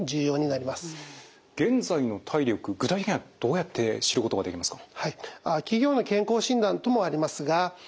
具体的にはどうやって知ることができますか？